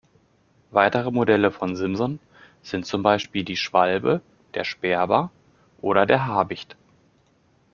Weitere Modelle von Simson sind zum Beispiel die Schwalbe, der Sperber oder der Habicht.